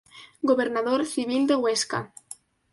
Gobernador Civil de Huesca.